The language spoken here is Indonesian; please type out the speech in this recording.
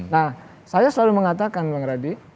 nah saya selalu mengatakan bang radi